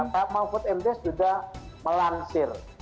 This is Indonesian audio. pak mahfud md sudah melansir